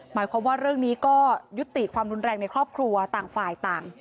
หมายความว่าเรื่องนี้ก็ยุติความรุนแรงในครอบครัวต่างฝ่ายต่าง